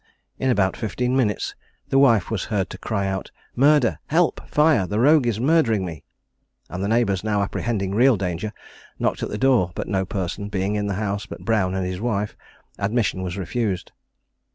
In about fifteen minutes, the wife was heard to cry out "Murder! help! fire! the rogue is murdering me!" and the neighbours, now apprehending real danger, knocked at the door; but no person being in the house but Brown and his wife, admission was refused.